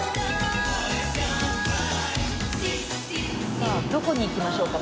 さあどこに行きましょうか？